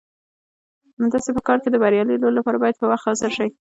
همداسې په کار کې د بریالي رول لپاره باید په وخت حاضر شئ.